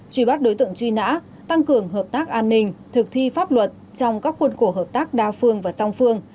truy bắt đối tượng truy nã tăng cường hợp tác an ninh thực thi pháp luật trong các khuôn khổ hợp tác đa phương và song phương